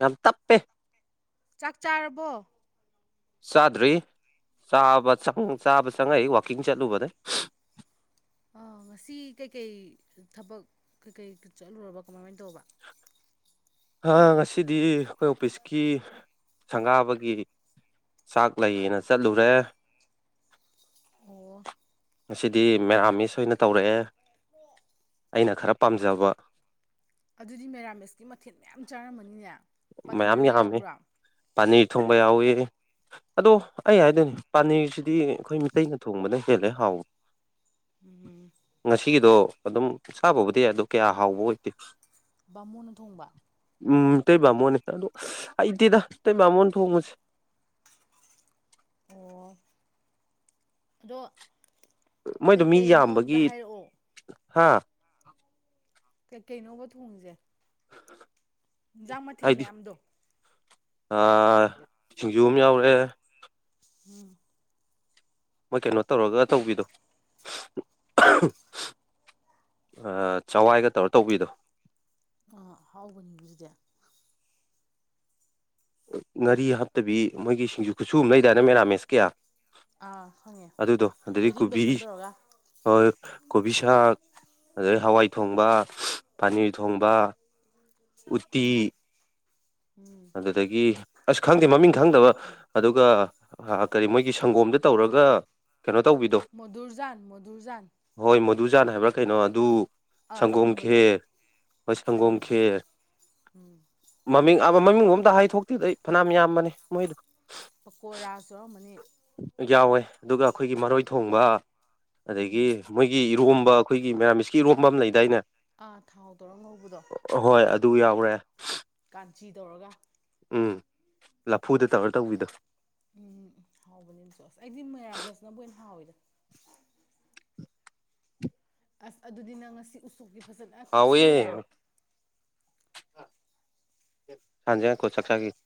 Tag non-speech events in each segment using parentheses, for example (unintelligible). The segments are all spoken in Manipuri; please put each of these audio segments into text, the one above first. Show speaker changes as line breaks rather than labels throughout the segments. ꯌꯥꯝ ꯇꯞꯄꯦ
ꯆꯥꯛ ꯆꯥꯔꯕꯣ
ꯆꯥꯗ꯭ꯔꯤ ꯆꯥꯕ ꯆꯪ ꯆꯥꯕ ꯆꯪꯉꯛꯏ ꯋꯥꯀꯤꯡ ꯆꯠꯂꯨꯕꯅꯦ
ꯉꯁꯤ ꯀꯩꯀꯩ ꯊꯕꯛ ꯀꯩꯀꯩ ꯆꯠꯂꯨꯔꯕ ꯀꯃꯥꯏꯃꯥꯏꯅ ꯇꯧꯕ (inaudible)
ꯑ ꯉꯁꯤꯗꯤ ꯑꯩꯈꯣꯏ ꯑꯣꯐꯤꯁꯀꯤ ꯁꯪꯒꯥꯕꯒꯤ ꯆꯥꯛ ꯂꯩꯌꯦꯅ ꯆꯠꯂꯨꯔꯦ
ꯑꯣ
ꯉꯁꯤꯗꯤ ꯃꯦꯔꯥꯃꯤꯁ ꯑꯣꯏꯅ ꯇꯧꯔꯛꯑꯦ ꯑꯩꯅ ꯈꯔ ꯄꯥꯝꯖꯕ
ꯑꯗꯨꯗꯤ ꯃꯦꯔꯥꯃꯤꯁꯇꯤ ꯃꯊꯦꯜ ꯃꯌꯥꯝ ꯆꯥꯔꯝꯃꯅꯤꯅꯦ
ꯃꯌꯥꯝ
ꯄꯅꯤꯔꯒ
ꯌꯥꯝꯃꯤ
ꯌꯥꯎꯕ꯭ꯔꯥ
ꯄꯅꯤꯔ ꯊꯣꯡꯕ ꯌꯥꯎꯋꯤ ꯑꯗꯣ ꯑꯩ ꯍꯥꯏꯗꯨꯏꯅꯤ ꯄꯥꯅꯤꯔꯁꯤꯗꯤ ꯑꯩꯈꯣꯏ ꯃꯤꯇꯩꯅ ꯊꯣꯡꯕꯅ ꯍꯦꯜꯂꯦ ꯍꯥꯎꯕ
ꯎꯝ
ꯉꯁꯤꯒꯤꯗꯣ ꯑꯗꯨꯝ ꯆꯥꯕꯕꯨꯗꯤ ꯌꯥꯏ ꯑꯗꯣ ꯀꯌꯥ ꯍꯥꯎꯕ ꯑꯣꯏꯗꯦ
ꯕꯥꯃꯣꯟꯅ ꯊꯣꯡꯕ
ꯎꯝ ꯃꯩꯇꯩꯕꯥꯥꯃꯣꯟꯅꯦ ꯑꯗꯣ ꯍꯩꯇꯦꯗꯥ ꯃꯩꯇꯩꯕꯥꯥꯃꯣꯟꯅ ꯊꯣꯡꯕꯁꯦ
ꯑꯣ ꯑꯗꯣ
ꯃꯣꯏꯗꯣ ꯃꯤ
ꯀꯩꯀꯩꯅꯣ ꯑꯝꯇ
ꯌꯥꯝꯕꯒꯤ
ꯍꯥꯏꯔꯛꯑꯣ
ꯍꯥ
ꯀꯩ ꯀꯩ ꯅꯣꯕ ꯍꯣꯡꯉꯤꯁꯦ ꯍꯦꯟꯖꯥꯡ ꯃꯊꯦꯜ ꯃꯌꯥꯝꯗꯣ
ꯑ ꯁꯤꯡꯖꯨ ꯑꯃ ꯌꯥꯎꯔꯦ
ꯎꯝ
ꯃꯣꯏ ꯀꯩꯅꯣ ꯇꯧꯔꯒ ꯇꯧꯕꯤꯗꯣ (unintelligible) ꯆꯋꯥꯏꯒ ꯇꯧꯔ ꯇꯧꯕꯤꯗꯣ
ꯑꯥ ꯍꯥꯎꯕꯅꯤꯅꯦꯗꯨꯗꯤ
ꯉꯥꯔꯤ ꯍꯥꯞꯇꯕꯤ ꯃꯣꯏꯒꯤ ꯁꯤꯡꯖꯨ ꯈꯨꯠꯁꯨ ꯑꯃ ꯂꯩꯗꯥꯏꯅꯦ ꯃꯦꯔꯥꯃꯦꯁꯀꯤ
ꯑꯥ ꯈꯪꯉꯦ
ꯑꯗꯨꯗꯣ ꯑꯗꯒꯤ
ꯊꯣꯏꯗꯤꯡ
ꯀꯣꯕꯤ
ꯕꯦꯁꯣꯟ ꯇꯧꯔꯒ
(unintelligible) ꯀꯣꯕꯤ ꯁꯥꯛ ꯑꯗꯒꯤ ꯍꯋꯥꯏ ꯊꯣꯡꯕ ꯄꯅꯤꯔ ꯊꯣꯡꯕ ꯎꯠꯇꯤ
ꯎꯝ ꯎꯝ
ꯑꯗꯨ (unintelligible) ꯑꯁ ꯈꯪꯗꯦ ꯃꯃꯤꯡ ꯈꯪꯗꯕ ꯑꯗꯨꯒ ꯀꯔꯤ ꯃꯣꯏꯒꯤ ꯁꯪꯒꯣꯝꯗ ꯇꯧꯔꯒ ꯀꯩꯅꯣ ꯇꯧꯕꯤꯗꯣ
ꯃꯙꯨꯔꯖꯥꯟ ꯃꯙꯨꯔꯖꯥꯟ
(unintelligible) ꯖꯥꯟ ꯍꯥꯏꯕ꯭ꯔꯥ ꯀꯩꯅꯣ ꯑꯗꯨ ꯁꯪꯒꯣꯝ
ꯊꯨꯝꯕꯗꯣ
ꯈꯦꯔ ꯍꯣꯏ ꯁꯪꯒꯣꯝ
ꯎꯝ
ꯈꯦꯔ
ꯎꯝ
ꯃꯃꯤꯡ (unintelligible) ꯃꯃꯤꯡ ꯑꯝꯇ ꯍꯥꯏꯊꯣꯛꯇꯦꯗ ꯑꯩ ꯐꯅꯌꯥꯝ ꯌꯥꯝꯕꯅꯤ ꯃꯣꯏꯗꯣ
ꯄꯀꯣꯔꯥꯁꯨ ꯌꯥꯎꯔꯝꯃꯅꯤ
ꯌꯥꯎꯋꯦ ꯑꯗꯨꯒ ꯑꯩꯈꯣꯏꯒꯤ ꯃꯔꯣꯏ ꯊꯣꯡꯕ ꯑꯗꯒꯤ
ꯎꯝ
ꯃꯣꯏꯒꯤ ꯏꯔꯣꯝꯕ ꯑꯩꯈꯣꯏꯒꯤ ꯃꯦꯔꯥꯃꯤꯁꯀꯤ ꯏꯔꯣꯝꯕ ꯑꯃ ꯂꯩꯗꯥꯏꯅꯦ
ꯑꯥ ꯊꯥꯎꯇꯧꯔ ꯉꯧꯕꯗꯣ
ꯍꯣꯏ ꯑꯗꯨ ꯌꯥꯎꯔꯦ
ꯀꯥꯟꯆꯤ ꯇꯧꯔꯒ
ꯎꯝ ꯂꯐꯨ ꯗ ꯇꯧꯔ ꯇꯧꯕꯤꯗꯣ
ꯎꯝ ꯍꯥꯎꯕꯅꯦ ꯑꯗꯨꯁꯨ ꯑꯁ ꯑꯩꯗꯤ ꯃꯦꯔꯥꯃꯦꯁꯅꯕꯨ ꯍꯦꯟꯅ ꯍꯥꯎꯋꯤꯗ ꯑꯁ ꯑꯗꯨꯗꯤ ꯅꯪ ꯉꯁꯤ ꯎꯁꯣꯞꯀꯤ ꯐꯖꯅ
ꯍꯥꯎꯋꯦ
ꯀꯠꯁꯜꯂꯦ
(unintelligible) ꯉꯥꯏꯈꯣ ꯆꯥꯛꯆꯥ (unintelligible)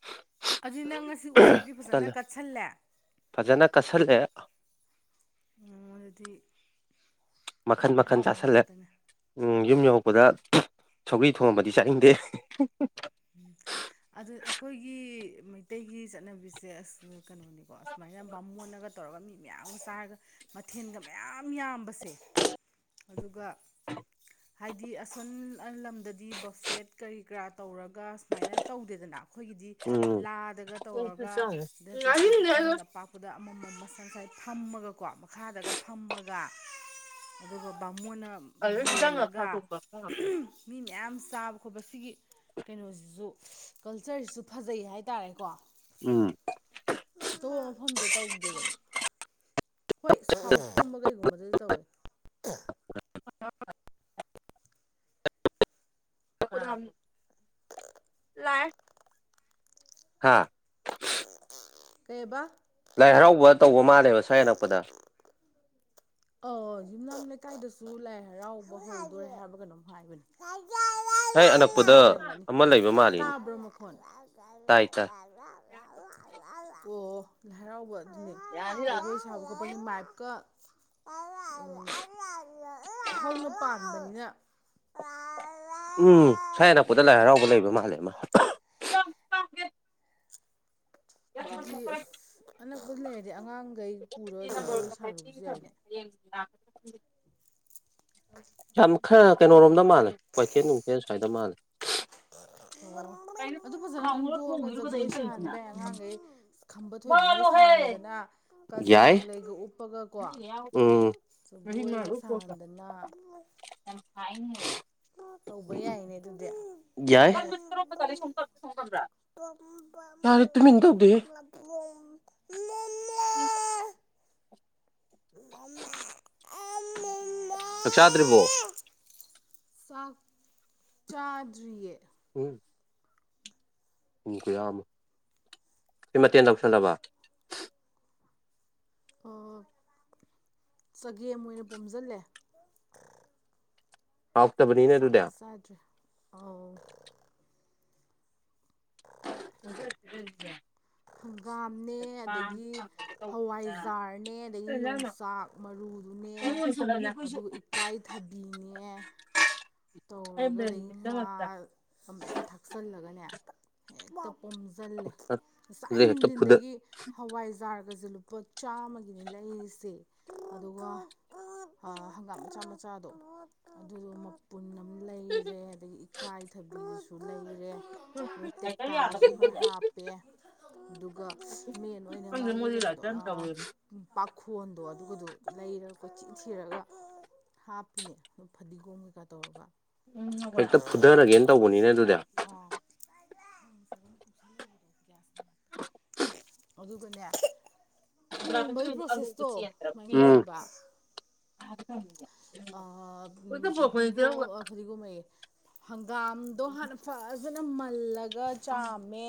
ꯑꯗꯨꯗꯤ ꯅꯪ ꯉꯁꯤ ꯎꯁꯣꯞꯀꯤ ꯐꯖꯅ
ꯇꯜꯂꯦ
ꯀꯠꯁꯜꯂꯦ
ꯐꯖꯅ ꯀꯠꯁꯜꯂꯦ ꯀꯠ
ꯑꯣ ꯑ (unintelligible) ꯗꯤ
ꯃꯈꯟ ꯃꯈꯟ ꯆꯥꯥꯁꯜꯂꯦ ꯎꯝ ꯌꯨꯝ ꯌꯧꯔꯛꯄꯗ (unintelligible) ꯁꯧꯒ꯭ꯔꯤ ꯊꯣꯡꯉꯝꯃꯗꯤ ꯆꯥꯅꯤꯡꯗꯦ
ꯎꯝ ꯑꯗꯨ ꯑꯩꯈꯣꯏꯒꯤ ꯃꯩꯇꯩꯒꯤ ꯆꯠꯅꯕꯤꯁꯦ ꯑꯁ ꯀꯩꯅꯣꯅꯤꯀꯣ ꯑꯁꯨꯃꯥꯏꯅ ꯕꯥꯃꯣꯟꯅꯒ ꯇꯧꯔꯒ ꯃꯤ ꯃꯌꯥꯝꯒ ꯆꯥꯔꯒ ꯃꯊꯦꯜꯒ ꯃꯌꯥꯝ ꯌꯥꯝꯕꯁꯦ ꯑꯗꯨꯒ ꯍꯥꯏꯗꯤ ꯑꯁꯣꯟ ꯂꯝꯗꯗꯤ ꯕꯐꯦꯠ ꯀꯔꯤ ꯀꯔꯥ ꯇꯧꯔꯒ ꯒ ꯁꯨꯃꯥꯏꯅ ꯇꯧꯗꯦꯗꯅ ꯑꯩꯈꯣꯏꯒꯤꯗꯤ
ꯎꯝ
ꯂꯥꯗꯒ ꯇꯧꯔꯒ ꯅꯠꯇ꯭ꯔꯁꯨ ꯈꯨꯈꯟ ꯑꯄꯥꯛꯄꯗ ꯑꯃꯃꯝꯝꯕ ꯉꯁꯥꯏ ꯐꯝꯃꯒꯀꯣ ꯃꯈꯥꯗꯒ ꯐꯝꯃꯒ ꯑꯗꯨꯒ ꯃꯣꯏꯅ ꯌꯦꯜꯂꯒ ꯃꯤ ꯃꯌꯥꯝ ꯆꯥꯕ ꯈꯣꯠꯄ ꯁꯤꯒꯤ ꯀꯩꯅꯣꯁꯤꯁꯨ ꯀꯜꯆꯔꯁꯤꯁꯨ ꯐꯖꯩ ꯍꯥꯏꯇꯥꯔꯦꯀꯣ
ꯎꯝ
ꯑꯇꯣꯞꯄ ꯃꯐꯝꯗ ꯇꯧꯗꯦꯗꯅ ꯍꯣꯏꯥꯎ ꯀꯨꯝꯕ ꯀꯩꯒꯨꯝꯕꯗꯗꯤ ꯇꯧꯋꯦ
(inaudible) (unintelligible) ꯑ ꯂꯥꯏ ꯍꯥꯥ
ꯀꯩꯕ
ꯂꯥꯏ ꯍꯔꯥꯎꯕ ꯇꯧꯕ ꯃꯥꯜꯂꯦꯕ ꯁ ꯑꯅꯛꯄꯗ
ꯑ ꯌꯨꯝꯅꯥꯝ ꯂꯩꯀꯥꯏꯗꯁꯨ ꯂꯥꯏ ꯍꯔꯥꯎꯕ ꯍꯧꯗꯣꯔꯦ ꯍꯥꯏꯕ ꯀꯩꯅꯣꯝ ꯍꯥꯏꯕꯅꯦ
ꯁ꯭ꯋꯥꯏ
ꯎ
ꯑꯅꯛꯄꯗ
ꯑꯣꯏꯔꯝꯒꯅꯤ
ꯑꯃ ꯂꯩꯕ ꯃꯥꯜꯂꯤꯅꯦ
ꯑꯣ
ꯇꯥꯏ ꯇꯥꯏ
ꯂ ꯍꯔꯥꯎꯕ ꯑꯗꯨꯅꯤ ꯖꯒꯣꯏ ꯁꯥꯕ ꯈꯣꯠꯄꯒꯤ ꯃꯥꯏꯞꯀ ꯅ ꯄꯥꯅ
ꯎꯝ ꯁ꯭ꯏ ꯍꯅꯛꯄꯗ ꯂꯥꯏ ꯍꯔꯥꯎꯕ ꯂꯩꯕ ꯃꯥꯜꯂꯦ ꯑꯃ ꯥꯏ
ꯑꯗꯨꯗꯤ ꯑꯁ ꯑꯅꯛꯄꯗ ꯂꯩꯔꯗꯤ ꯑꯉꯥꯡꯈꯩ ꯄꯨꯔ ꯖꯒꯣꯏ ꯁꯥꯔꯨꯕꯁꯨ ꯌꯥꯏꯅꯦ
ꯊ ꯌꯥꯝ ꯈꯔ ꯀꯩꯅꯣꯣꯔꯣꯝꯗ ꯃꯥꯜꯂꯦ ꯀꯣꯏꯊꯦꯜ ꯅꯨꯡꯊꯦꯜ ꯍꯥꯏꯗ ꯃꯥꯜꯂꯦ
ꯑꯗꯨ ꯐꯖꯅ ꯈꯪꯗꯣꯛꯑꯒ ꯖꯒꯣꯏ ꯁꯥꯍꯟꯕ ꯌꯥꯏ ꯑꯉꯥꯡ ꯈꯝꯕ ꯊꯣꯏꯕꯤꯒ ꯁꯥꯟꯗꯅ ꯀꯖꯦꯡ ꯂꯩꯒ ꯎꯞꯄꯒ
ꯑ ꯃꯥꯔ ꯄꯣꯁ
ꯁꯥꯍꯟꯗꯅ ꯇꯧꯕꯩ ꯍꯥꯏꯏꯅꯦ ꯇꯗ
ꯌꯥꯏ
ꯄꯝ
ꯌꯥꯔꯦ ꯇꯨꯃꯤꯟ ꯇꯧꯗꯦꯍꯦ
ꯂ
ꯎꯝ
ꯃ ꯑ
ꯆꯥꯛ ꯆꯥꯗ꯭ꯔꯤꯕꯣ
ꯁꯥ ꯆꯥꯗ꯭ꯔꯤꯌꯦ
ꯎꯝ ꯎꯝ ꯀꯌꯥꯃꯨ ꯁꯤ ꯃꯇꯦꯟ ꯇꯧꯁꯜꯂꯕ
ꯆꯒꯦꯝ ꯑꯣꯏꯅ ꯄꯣꯝꯁꯤꯜꯂꯦ
ꯄꯥꯎꯇꯕꯅꯤꯅꯦ ꯑꯗꯨꯗ
ꯑ
(unintelligible) (inaudible)
ꯍꯪꯒꯥꯝꯅꯦ ꯑꯗꯒꯤ ꯍꯋꯥꯏꯖꯥꯔꯅꯦ ꯑꯗꯒꯤ ꯌꯣꯡꯆꯥꯛ ꯃꯔꯨ
ꯑꯣꯁꯂ
ꯑꯗꯨ ꯏꯀꯥꯏꯊꯕꯤꯅꯦ ꯇꯧꯔꯒꯗꯤ ꯉꯥ ꯃꯌꯥꯝ ꯊꯥꯛꯆꯜꯂꯒꯅꯦ ꯍꯦꯛꯇ ꯄꯣꯝꯁꯤꯜꯂꯦ
ꯑꯗꯨꯗꯤ
ꯉꯁꯥꯏ
ꯍꯦꯛꯇ ꯐꯨꯗ
ꯅꯨꯡꯊꯤꯟꯗꯒꯤ ꯍꯋꯥꯏꯖꯥꯔ ꯁ ꯂꯨꯄꯥ ꯆꯥꯝꯃꯒꯤꯅꯦ ꯂꯩꯔꯤꯁꯦ ꯑꯗꯨꯒ ꯍꯪꯒꯥꯝ ꯃꯆꯥ ꯃꯆꯥꯗꯣ ꯑꯗꯨꯗꯣ ꯄꯨꯟ ꯑꯃ ꯂꯩꯔꯦ ꯑꯗꯒꯤ ꯏꯀꯥꯏꯊꯕꯤꯒꯤꯁꯨ ꯂꯩꯔꯦ ꯑꯗꯨꯒ
ꯆ ꯌꯥ
ꯇꯦꯛꯇꯥꯁꯨ ꯈꯔ ꯍꯥꯞꯄꯦ ꯑꯗꯨꯒ ꯃꯦꯟ ꯑꯣꯏꯅ ꯃꯥꯒꯤ ꯀꯩꯅꯣꯗꯣ ꯄꯥꯈꯣꯟꯗꯣ ꯑꯗꯨꯒꯗꯣ ꯂꯩꯩꯔꯒ ꯀꯣꯏ ꯆꯤꯟ ꯊꯔꯒ ꯍꯥꯞꯄꯤꯅꯦ ꯑꯗꯨꯝ ꯐꯗꯤꯒꯣꯝ ꯀꯩꯀꯥ ꯇꯧꯔꯒ
ꯍꯦꯛꯇ ꯐꯨꯊꯔꯒꯦꯅ ꯇꯧꯕꯅꯤꯅꯦ ꯑꯗꯨꯗꯤ
ꯑꯥ (inaudible) ꯑꯗꯨꯗꯨ ꯀ ꯊꯣꯡꯕꯒꯤ ꯄ꯭ꯔꯣꯁꯦꯁꯇꯣ ꯁꯨꯃꯥꯏꯅ ꯇꯧꯋꯦꯕ
ꯍꯥꯏꯦ
ꯑ ꯐꯗꯤꯒꯣ ꯐꯗꯤꯒꯣ ꯃꯦ ꯍꯪꯒꯥꯝꯗꯣ ꯍꯥꯟꯅ ꯐꯖꯅ ꯃꯜꯂꯒ ꯆꯥꯝꯃꯦ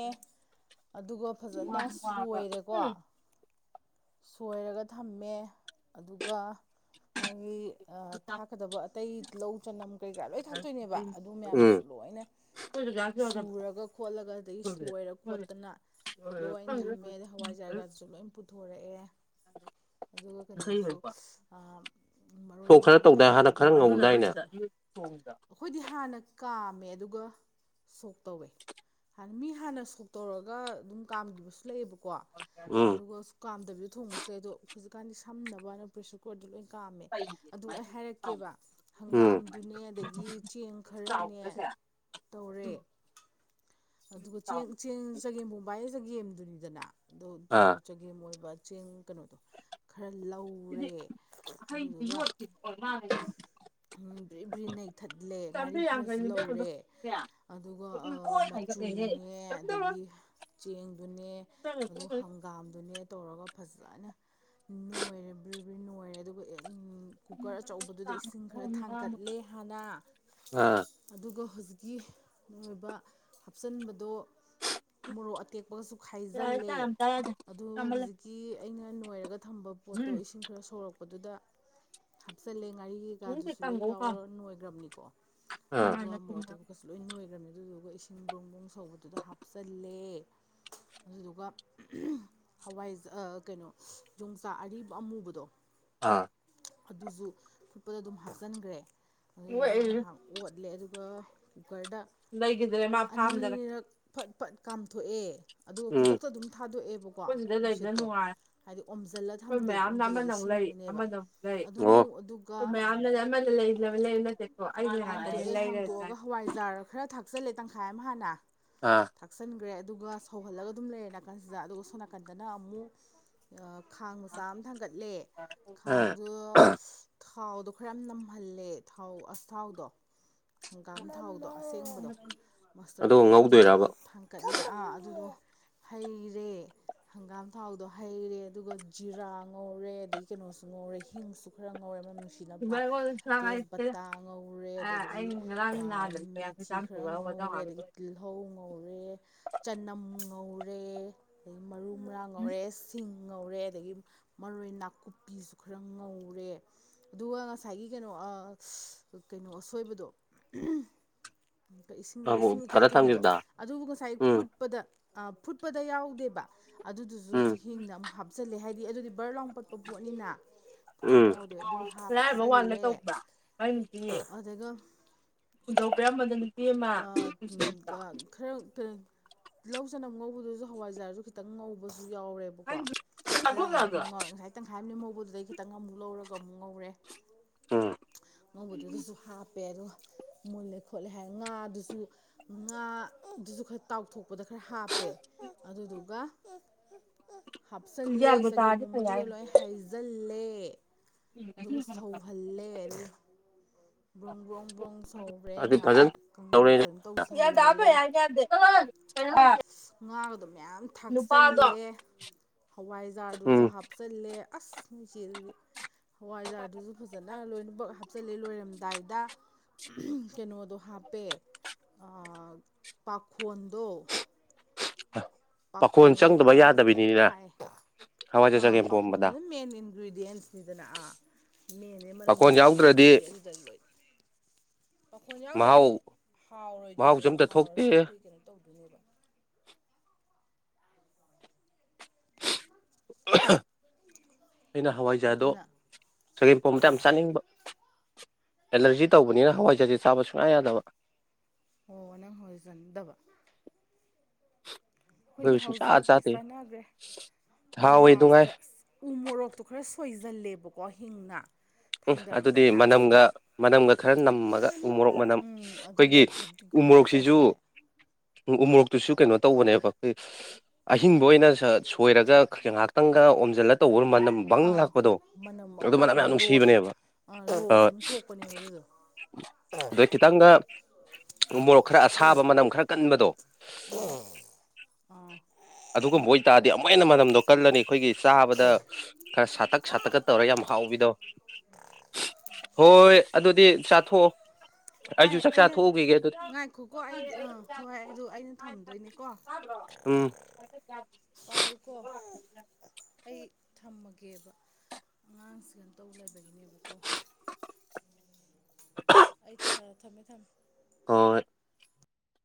ꯑꯗꯨꯒ ꯐꯖꯅ ꯁꯣꯏꯔꯦꯀꯣ ꯁꯣꯏꯔꯒ ꯊꯝꯃꯦ ꯑꯗꯨꯒ ꯃꯥꯒꯤ ꯊꯥꯛꯀꯗꯕ ꯑꯇꯩ ꯂꯧ ꯆꯅꯝ ꯀꯩ ꯀꯥ ꯂꯣꯏ ꯊꯥꯛꯇꯣꯏꯅꯦꯕ ꯑꯗꯨ
ꯎꯝ
ꯃꯌꯥꯝꯗꯨꯁꯨ ꯂꯣꯏꯅ ꯩꯅ ꯁꯨꯔꯒ ꯈꯣꯠꯂꯒ ꯑꯗꯨꯗꯒꯤ ꯁꯣꯏꯔ ꯈꯣꯠꯇꯅ ꯂꯣꯏ ꯊꯝꯃꯦ ꯑꯗꯩ ꯍꯋꯥꯏ ꯖꯥꯒꯥꯗꯁꯨ ꯂꯣꯏ ꯄꯨꯊꯣꯛꯦ ꯄꯣꯔꯛꯑꯦ ꯑꯗꯨꯒ ꯀꯩꯅꯣꯗꯨꯁꯨ ꯃꯔꯣꯏ
ꯁꯣꯛ ꯈꯔ
ꯃꯔꯥꯡ
ꯇꯧꯗꯥꯏ ꯍꯥꯟꯅ
ꯊꯥꯛꯀꯗꯕ
ꯈꯔ ꯉꯧꯗꯥꯏꯅꯦ
ꯈꯣꯠꯀꯗꯕ ꯑꯩꯈꯣꯏꯗꯤ ꯍꯥꯟꯅ ꯀꯥꯝꯃꯦ ꯇꯝꯃꯦ ꯑꯗꯨꯒ ꯁꯣꯛ ꯇꯧꯋꯦ ꯥꯟꯅ ꯃꯤ ꯍꯥꯟꯅ ꯁꯣꯛ ꯇꯧꯔꯒ ꯑꯗꯨꯝ ꯀꯥꯝꯈꯤꯕꯁꯨ ꯂꯩꯑꯕꯀꯣ ꯀꯣ
ꯎꯝ
ꯑꯗꯨꯒ ꯀꯥꯝꯗꯕꯤꯗ ꯊꯣꯡꯕꯁꯨ ꯂꯩ ꯑꯗꯣ ꯍꯧꯖꯤꯛꯀꯥꯟꯗꯤ ꯁꯝꯅꯕꯅ ꯄ꯭ꯔꯦꯁꯔ ꯀꯨꯀꯔꯗꯣ ꯂꯣꯏꯅ ꯀꯥꯝꯃꯦ ꯑꯗꯨ ꯑꯩ ꯍꯥꯏꯔꯛꯀꯦꯕ
ꯎꯝ
ꯍꯪꯒꯥꯝꯗꯨꯅꯦ ꯑꯗꯒꯤ ꯆꯦꯡ ꯈꯔꯅꯦ ꯇꯧꯔꯦ ꯑꯗꯨꯒ ꯆꯦꯡ ꯆꯦꯡ ꯆꯒꯦꯝ ꯄꯣꯕꯥꯌꯦ ꯆꯒꯦꯝꯗꯨꯅꯤꯗꯅ ꯑꯗꯣ ꯑꯗꯨꯗꯣ
ꯑꯥ
ꯆꯒꯦꯝ ꯑꯣꯏꯕ ꯆꯦꯡ ꯀꯩꯅꯣꯗꯣ ꯈꯔ ꯂꯧꯔꯦ ꯑꯗꯨꯗꯨꯒ ꯕ꯭ꯔꯤ ꯕ꯭ꯔꯤ ꯅꯩꯊꯠꯂꯦ ꯉꯥꯔꯤ ꯈꯔꯁꯨ ꯂꯧꯔꯦ ꯑꯗꯨꯒ ꯃꯆꯨ ꯆꯨꯅꯦ ꯑꯗꯒꯤ ꯆꯦꯡꯗꯨꯅꯦ ꯑꯗꯨ ꯍꯪꯒꯥꯝꯗꯨꯅꯦ ꯇꯧꯔꯒ ꯐꯖꯅ ꯅꯣꯏꯔꯦ ꯕ꯭ꯔꯤ ꯕ꯭ꯔꯤ ꯅꯣꯏꯔꯦ ꯑꯗꯨꯒ ꯀꯨꯀꯔ ꯑꯆꯧꯕꯗꯨꯗ ꯏꯁꯤꯡ ꯈꯔ ꯊꯥꯡꯀꯠꯂꯦ ꯍꯥꯟꯅ
ꯑꯥ
ꯑꯗꯨꯒ ꯍꯧꯖꯤꯛꯀꯤ ꯑꯣꯏꯕ ꯍꯥꯞꯆꯟꯕꯗꯣ ꯃꯣꯔꯣꯛ ꯑꯇꯦꯛꯄꯒꯁꯨ ꯈꯥꯏꯖꯤꯜꯂꯦ ꯑꯗꯨ ꯍꯧꯖꯤꯛꯀꯤ ꯑꯩꯅ ꯅꯣꯏꯔꯒ ꯊꯝꯕ ꯄꯣꯠꯇꯣ ꯏꯁꯤꯡ ꯈꯔ ꯁꯧꯣꯔꯛꯄ ꯑꯗꯨꯗ ꯍꯥꯞꯆꯤꯜꯂꯦ ꯉꯥꯔꯤ ꯀꯩꯀꯥꯗꯨꯁꯨ ꯂꯣꯏ ꯌꯥꯎꯔ ꯅꯣꯏꯈ꯭ꯔꯕꯅꯤꯀꯣ
ꯑꯥ
ꯑꯗꯨꯒ ꯃꯣꯔꯣꯛ ꯑ ꯇꯦꯛꯀꯣꯛꯀꯁꯨ ꯂꯣꯏ ꯅꯣꯏꯈ꯭ꯔꯕꯅꯤꯅ ꯑꯗꯨ ꯊꯤꯟꯕ꯭ꯔꯨꯡ ꯕꯨꯡ ꯁꯧꯕꯗꯨꯗ ꯍꯥꯞꯆꯜꯂꯦ ꯑꯗꯨꯗꯨꯒ ꯍꯋꯥꯏ ꯀꯩꯅꯣ ꯌꯣꯡꯆꯥꯛ ꯑꯔꯤꯕ ꯑꯃꯨꯕꯗꯣ
ꯑꯥ
ꯑꯗꯨꯁꯨ ꯈꯨꯨꯠꯄꯗ ꯑꯗꯨꯝ ꯍꯥꯞꯆꯤꯟꯈ꯭ꯔꯦ ꯑꯗꯨꯗꯨꯒ
ꯍꯣꯏ
ꯉꯥꯏꯍꯥꯛ ꯑꯣꯠꯂꯦ ꯑꯗꯨꯒ ꯀꯨꯀꯔꯗ
ꯂꯩꯈꯤꯗ꯭ꯔꯦ ꯃꯥ ꯐꯥꯝꯗꯒ
ꯑꯅꯤꯔꯛ ꯐꯠ ꯐꯠ ꯀꯥꯝꯊꯣꯛꯑꯦ ꯑꯗꯨꯒ
ꯎꯝ
ꯈꯨꯗꯛꯇ ꯑꯗꯨꯝ ꯊꯥꯗꯣꯛꯑꯦꯕꯀꯣ
ꯑꯩꯈꯣꯏ ꯁꯤꯗ ꯂꯩꯕꯅ
ꯅꯨꯡꯁꯤꯠꯇꯣ
ꯅꯨꯡꯉꯥꯏ
ꯍꯥꯏꯗꯤ ꯑꯣꯝꯖꯤꯜꯂ
ꯑꯩꯈꯣꯏ
ꯊꯝꯗꯦꯕ
ꯃꯌꯥꯝꯅ
ꯑꯣꯝꯖꯤꯜꯂꯗꯤ
ꯑꯃꯅ ꯑꯃꯨꯛ ꯂꯩ
ꯁꯤꯟꯕꯅꯦꯕ
ꯑꯃꯅ ꯑꯃꯨꯛ ꯂꯩ
ꯑꯗꯨꯉꯧ ꯑꯗꯨꯒ
ꯏ ꯂꯩ
ꯍꯥꯡꯇꯣꯛꯑꯦ
ꯂꯩꯔꯒ
ꯍꯥꯡꯇꯣꯛꯑꯒ ꯍꯋꯥꯏꯖꯥꯔ ꯈꯔ ꯊ ꯊꯥꯛꯆꯜꯂꯦ ꯇꯪꯈꯥꯏ ꯑꯃ ꯍꯥꯟꯅ
ꯑꯥ
ꯊꯥꯛꯆꯟꯈ꯭ꯔꯦ ꯑꯗꯨꯒ ꯁꯧꯍꯜꯂꯒ ꯑꯗꯨꯝ ꯂꯩꯔꯦ ꯅꯥꯀꯟꯁꯤꯗ ꯑꯗꯨꯒ ꯁꯣꯝ ꯅꯥꯀꯟꯗꯅ ꯑꯃꯨꯛ ꯈꯥꯡ ꯃꯆꯥ ꯑꯃ ꯊꯥꯡ ꯊꯀꯠꯂꯦ
ꯎꯝ
ꯈꯥꯡꯗꯨ ꯊꯥꯎꯗꯣ ꯈꯔ ꯌꯥꯝ ꯅꯝꯍꯜꯂꯦ ꯊꯥꯎ ꯑꯁ ꯊꯥꯎꯗꯣ ꯍꯪꯒꯥꯝ ꯊꯥꯎꯗ ꯑꯗꯣ ꯑꯁꯦꯡꯕꯗꯣ ꯃꯁꯇꯔꯠ
ꯑꯗꯨꯒ
ꯑꯣꯏ ꯑꯗꯨꯗꯣ
ꯉꯧꯗꯣꯏꯔꯕ
ꯊꯥꯡꯀꯠꯂꯦ ꯑꯥ ꯑꯗꯨꯕꯨ ꯍꯩꯔꯦ ꯍꯪꯒꯥꯝ ꯊꯥꯎꯗꯣ ꯍꯩꯔꯦ ꯑꯗꯨꯒ ꯖꯤꯔꯥ ꯉꯧꯔꯦ ꯑꯗꯒꯤ ꯀꯩꯅꯣꯁꯨ ꯉꯧꯔꯦ ꯍꯤꯡꯁꯨ ꯈꯔ ꯉꯧꯔꯦ
ꯕꯒꯗ ꯆ ꯍꯥꯏꯥꯏꯇꯦ
ꯦ ꯃꯊꯤ ꯇꯤ ꯉꯧꯔꯦ ꯆꯅꯝ ꯉꯧꯔꯦ ꯑꯗꯩ ꯃꯔꯨ ꯃꯔꯥꯡ ꯉꯧꯔꯦ ꯁꯤꯡ ꯉꯧꯔꯦ ꯑꯗꯒꯤ ꯃꯔꯣꯏ ꯅꯥꯀꯨꯞꯄꯤꯁꯨ ꯈꯔ ꯉꯧꯔꯦ ꯑꯗꯨꯒ ꯉꯁꯥꯏꯒꯤ ꯀꯩꯅꯣ ꯀꯩꯅꯣ ꯑꯁꯣꯏꯕꯗꯣ ꯏꯁꯤꯡꯗꯣ
ꯑꯕꯨ
ꯏꯁꯤꯡ
ꯊꯥꯗ
ꯏꯀꯥꯏꯊꯕꯤꯗꯣ
ꯊꯝꯈꯤꯕꯗ
ꯑꯗꯨꯕꯨ ꯉꯁꯥꯏ
ꯎꯝ
ꯐꯨꯠꯄꯗ ꯐꯨꯠꯄꯗ ꯌꯥꯎꯗꯦꯕ
ꯎꯝ
ꯑꯗꯨꯗꯨꯁꯨ ꯍꯤꯡꯅ ꯑꯃꯨꯛ ꯍꯥꯞꯆꯜꯂꯦ ꯍꯥꯏꯗꯤ ꯗꯤ ꯑꯗꯨꯗꯤ ꯕꯔ ꯂꯥꯎ ꯄꯠꯄ ꯄꯣꯠꯅꯤꯅ ꯐꯨꯠꯄꯗ
ꯎꯝ
ꯌꯥꯎꯗꯦ ꯑꯗꯨ
ꯂꯥꯏꯔꯕ ꯋꯥꯜ
ꯍꯥꯞꯆꯜꯂꯦ
ꯇꯧꯔꯤꯕ
ꯑꯗꯨꯒ
(unintelligible)
(unintelligible) ꯂꯧ ꯆꯅꯝ ꯉꯧꯕꯗꯨꯁꯨ ꯍꯋꯥꯏꯖꯥꯔꯁꯨ ꯈꯤꯇꯪ ꯉꯧꯕ ꯌꯥꯎꯔꯦꯕꯀꯣ ꯈꯔ ꯑꯃꯨꯛ ꯉꯧꯔꯦ ꯉꯁꯥꯏ ꯇꯪꯈꯥꯏ ꯑꯃꯥ ꯂꯦꯃꯍꯧꯕꯗꯨꯗꯒꯤ ꯈꯤꯇꯪ ꯑꯃꯨꯛ ꯂꯧꯔꯒ ꯑꯃꯨꯛ ꯉꯧꯔꯦ
ꯎꯝ
ꯉꯧꯕꯗꯨꯗꯥꯁꯨ ꯍꯞꯄꯦ ꯑꯗꯨꯒꯥ ꯃꯨꯜꯂꯦ ꯈꯣꯠꯂꯦ ꯉꯥꯗꯨꯁꯨ ꯉꯥꯗꯨꯁꯨ ꯈꯔ ꯇꯥꯎꯊꯣꯛꯄ ꯄꯗ ꯈꯔ ꯍꯥꯞꯄꯦ ꯑꯗꯨꯗꯨꯒ ꯍꯥꯞꯆꯜꯂꯦ ꯆꯒꯦꯝ ꯄꯣꯝꯕꯗꯨꯗ ꯂꯣꯏ ꯍꯩꯖꯤꯜꯂꯦ ꯑꯗꯨꯒ ꯁꯧꯍꯜꯂꯦ ꯕ꯭ꯔꯣꯡ ꯕ꯭ꯔꯣꯡ ꯕ꯭ꯔꯣꯡ ꯁꯧꯔꯦ
ꯑꯗꯨ
ꯉꯥꯏꯍꯥꯛ
ꯐꯖꯅ ꯇꯧꯔꯦ
ꯀꯩꯅꯣ ꯇꯧꯁꯤꯍꯜꯍꯜꯂꯦ
(unintelligible)
ꯉꯥꯒꯗꯣ ꯃꯌꯥꯝ ꯊꯥꯛꯆꯜꯂꯦ ꯍꯋꯥꯏꯖꯥꯔꯗꯨꯁꯨ
ꯎꯝ
ꯍꯥꯞꯆꯤꯜꯂꯦ ꯑꯁ ꯏꯅꯨꯡꯆꯦꯗꯤ ꯍꯋꯥꯏꯖꯥꯔꯗꯨꯁꯨ ꯐꯖꯅ ꯂꯣꯏꯅꯃꯛ ꯍꯥ ꯍꯥꯞꯆꯜꯂꯦ ꯂꯣꯏꯔꯝꯗꯥꯏꯗ ꯀꯩꯅꯣꯗꯣ ꯍꯥꯞꯄꯦ ꯄꯥꯈꯣꯟꯗꯣ
(unintelligible) ꯄꯥꯈꯣꯟ
ꯄꯥꯈꯣꯟꯗ
ꯆꯪꯗꯕ
ꯐꯖꯅꯥ
ꯌꯥꯗꯕꯤꯅꯤꯅ
ꯊꯥ‍ꯛꯑꯦ
ꯍꯋꯥꯏꯖꯥꯔ
ꯑꯥ
ꯆꯒꯦꯝ ꯄꯣꯝꯕꯗ
ꯄꯥꯈꯣꯟꯗꯨꯅ ꯃꯦꯟ ꯏꯟꯒ꯭ꯔꯤꯗꯤꯌꯦꯟꯁꯅꯤꯗꯅ ꯑꯥ ꯃꯦꯟꯅꯦ ꯃꯅꯝ
ꯄꯥꯈꯣꯟ
ꯅꯨꯡꯁꯤꯕ
ꯌꯥꯎꯗ꯭ꯔꯗꯤ
ꯈꯣꯠꯄꯗꯤ ꯑꯗꯨꯗ ꯂꯣꯏ ꯐꯪꯉꯦ ꯄꯥꯈꯣꯟ ꯌꯥꯎꯗ꯭ꯔꯗꯤ
ꯃꯍꯥꯎ ꯃꯍꯥꯎꯁꯨ
ꯍꯥꯎꯔꯣꯏꯗꯣꯏꯅꯦꯕ
ꯑꯝꯇ ꯊꯣꯛꯇꯦ
ꯍꯥꯎꯔꯁꯨ ꯀꯩ ꯀꯩꯅꯣ ꯇꯧꯗ ꯑꯗꯨꯔ
(unintelligible) ꯑꯩꯅ ꯍꯋꯥꯏꯖꯥꯔꯗꯣ
ꯑꯗꯨꯅ
ꯆꯒꯦꯝꯄꯣꯝꯕꯗꯣ ꯌꯥꯝ ꯆꯥꯅꯤꯡꯕ ꯑꯦꯂꯔꯖꯤ ꯇꯧꯕꯅꯤꯅ ꯍꯋꯥꯏꯖꯥꯔꯗꯤ ꯆꯥꯕ ꯁꯨꯡꯌꯥ ꯌꯥꯗꯕ
ꯑꯣ ꯅꯪ ꯍꯋꯥꯏꯖꯥꯔ ꯆꯥꯅꯤꯡꯗꯕ
(unintelligible)
ꯑꯩꯈꯣꯏꯗꯤ
ꯑꯩꯈꯣꯏꯕꯨ ꯁꯨꯡꯆꯥ
ꯍꯥꯎꯖꯈ꯭ꯔꯦ
ꯆꯥꯗꯦ
ꯆꯥꯟꯅꯈ꯭ꯔꯦ ꯑꯗꯨꯒ
ꯍꯥꯎꯋꯦ ꯑꯗꯨꯉꯥꯏ
ꯂꯥꯁꯇ ꯎ ꯃꯣꯔꯣꯛꯇꯣ ꯁꯣꯏꯁꯤꯜꯂꯦꯕꯀꯣ ꯍꯤꯡꯅ
ꯎꯝ ꯑꯗꯨꯗꯤ
ꯊꯥꯡꯗꯔꯝꯗꯥꯏ ꯂꯥꯁꯇꯨꯗ
ꯃꯅꯝꯒ ꯃꯅꯝꯒ ꯈꯔ ꯅꯝꯃꯒ ꯎ ꯃꯣꯔꯣꯛ ꯃꯅꯝ
ꯎꯝ ꯑꯗꯨꯒ
ꯑꯩꯈꯣꯏꯒꯤ
ꯐꯗꯤꯒꯣꯝ ꯆꯥꯏꯁꯜꯂꯦ
ꯎꯃꯣꯔꯣꯛꯇꯨꯁꯨ ꯀꯩꯅꯣ ꯇꯧꯕꯅꯦꯕ ꯑꯩꯈꯣꯏ ꯑꯍꯤꯡꯕ ꯑꯣꯏꯅ ꯁꯣꯏꯔꯒ ꯉꯥꯏꯍꯥꯛꯇꯪꯒ ꯑꯣꯝꯖꯜꯂꯥꯒ ꯃꯅꯝ ꯕꯪ
ꯑꯥ
ꯂꯥꯛꯄꯗꯣ
ꯃꯅꯝ ꯃꯪ
ꯑꯗꯨ ꯃꯅꯝ ꯌꯥꯝꯌꯥꯝ
ꯂꯥꯛꯄꯅꯦ
ꯅꯨꯡꯁꯤ
ꯔꯣꯁꯇꯣ
ꯕꯥꯗꯣ ꯊꯤꯕꯅꯦꯕ
ꯑꯥ
ꯟꯥ
ꯔꯣꯁ ꯑꯃ ꯊꯣꯛꯄꯅꯦꯕ ꯑꯗꯨꯗꯣ
ꯑꯗꯩ ꯈꯤꯇꯪꯒ ꯃꯣꯔꯣꯛ ꯈꯔ ꯑꯁꯥꯕ ꯃꯅꯝ ꯈꯔ ꯀꯟꯕꯗꯣ
ꯑꯥ
ꯑꯗꯨꯒꯨꯝꯕ ꯑꯣꯏꯇꯥꯔꯗꯤ ꯑꯃꯨꯛ ꯍꯦꯟꯅ ꯃꯥꯅꯝꯗꯣ ꯀꯜꯂꯅꯤ ꯑꯩꯈꯣꯏꯒꯤ ꯆꯥꯕꯗ ꯈꯔ ꯁꯥꯇꯛ ꯁꯥꯠꯇꯛ ꯀꯥ ꯇꯧꯔꯒꯥ ꯌꯥꯝ ꯍꯥꯎꯕꯥꯗꯣ ꯍꯣꯏ ꯑꯗꯨꯗꯤ ꯆꯥꯊꯣꯛꯑꯣ
ꯑꯩ
ꯑꯩꯁꯨ ꯆꯥꯛ
ꯑꯩꯅ
ꯆꯥꯊꯣꯛꯎꯈꯤꯒꯦ ꯑꯗꯨꯗꯤ
ꯉꯥꯏꯈꯣꯀꯣ ꯑꯩ ꯍꯣꯏ ꯑꯗꯨ ꯑꯩꯅ ꯊꯝꯗꯣꯏꯅꯦꯀꯣ
ꯎꯝ
ꯄꯥꯏꯌꯨꯀꯣ ꯑꯩ ꯊꯝꯃꯒꯦ ꯒꯦꯕ ꯑꯉꯥꯡꯁꯤꯒ ꯇꯧꯕ ꯂꯩꯕꯒꯤꯅꯦꯕꯀꯣ ꯑꯩ ꯊ ꯊꯝꯃꯦ ꯊꯝꯃꯦ
ꯍꯣꯏ